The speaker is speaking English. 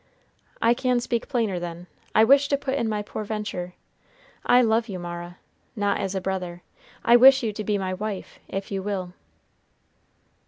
"I can speak plainer, then. I wish to put in my poor venture. I love you, Mara not as a brother. I wish you to be my wife, if you will."